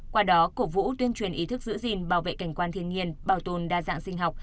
qua đó cổ vũ tuyên truyền ý thức giữ gìn bảo vệ cảnh quan thiên nhiên bảo tồn đa dạng sinh học